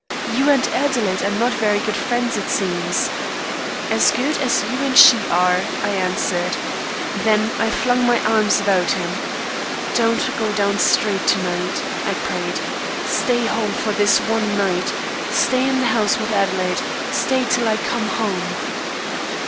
'You and Adelaide are not very good friends it seems.' 'As good as you and she are,' I answered. Then I flung my arms about him. 'Don't go down street to night,' I prayed. 'Stay home for this one night. Stay in the house with Adelaide; stay till I come home.